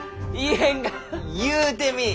言うてみい！